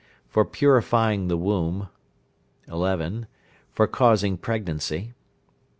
For purifying the womb. 11. For causing pregnancy.